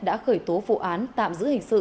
đã khởi tố vụ án tạm giữ hình sự